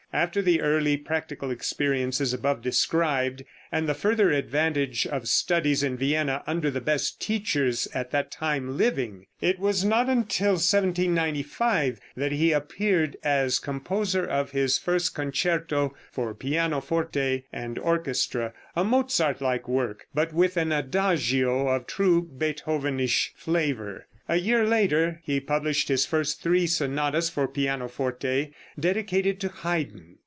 After the early practical experiences above described, and the further advantage of studies in Vienna under the best teachers at that time living, it was not until 1795 that he appeared as composer of his first concerto for pianoforte and orchestra, a Mozart like work, but with an Adagio of true Beethovenish flavor. A year later he published his first three sonatas for pianoforte, dedicated to Haydn.